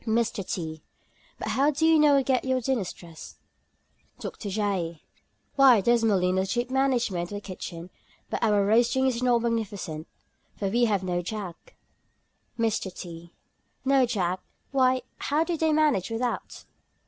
MR. T. "But how do you get your dinners drest?" DR. J. "Why, Desmoulins has the chief management of the kitchen; but our roasting is not magnificent, for we have no jack." MR. T. "No jack! Why, how do they manage without?"